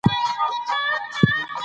د خلکو صبر تل نه وي